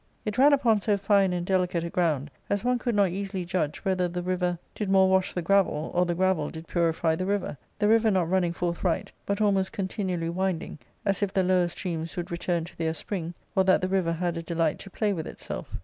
It ran upon so fine and delicate a ground ^s one could not easily judge whether the river did more wash. ARCADIA,— Book IL I67 the gravel, or the gravel did purify the river, the river not fl ' running forth right,* but almost continually yrinding^as if the lower streams would return to their spring, or that the river had a delight to play with itself.